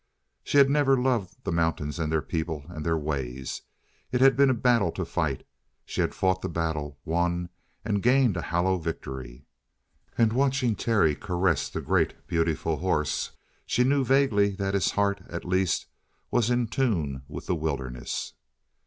She had never loved the mountains and their people and their ways. It had been a battle to fight. She had fought the battle, won, and gained a hollow victory. And watching Terry caress the great, beautiful horse, she knew vaguely that his heart, at least, was in tune with the wilderness.